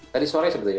tadi sore sebenarnya